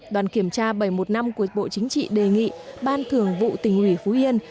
đoàn kiểm tra bảy mươi một năm của bộ chính trị đề nghị ban thường vụ tình ủy phú yên